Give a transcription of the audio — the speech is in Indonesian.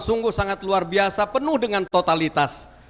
sungguh sangat luar biasa penuh dengan totalitas